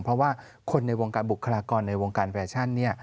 เพราะว่าคนในวงการบุคลากรในวงการแฟชั่น